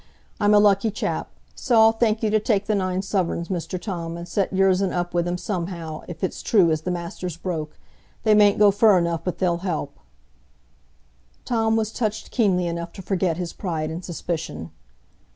I'm a lucky chap. So I'll thank you to take the nine suvreigns, Mr Tom, and set yoursen up with 'em somehow, if it's true as the master's broke. They mayn't go fur enough, but they'll help." Tom was touched keenly enough to forget his pride and suspicion.